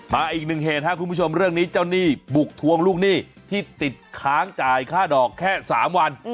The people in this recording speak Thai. อีกหนึ่งเหตุครับคุณผู้ชมเรื่องนี้เจ้าหนี้บุกทวงลูกหนี้ที่ติดค้างจ่ายค่าดอกแค่๓วัน